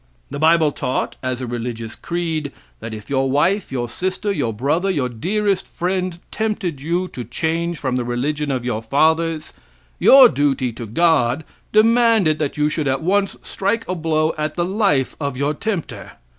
The bible taught, as a religious creed, that if your wife, your sister, your brother, your dearest friend, tempted you to change from the religion of your fathers, your duty to God demanded that you should at once strike a blow at the life of your tempter.